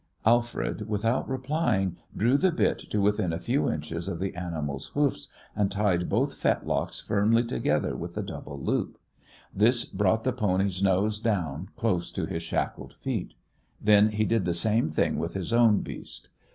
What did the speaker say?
Alfred, without replying, drew the bit to within a few inches of the animal's hoofs, and tied both fetlocks firmly together with the double loop. This brought the pony's nose down close to his shackled feet. Then he did the same thing with his own beast.